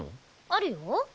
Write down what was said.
あるよ。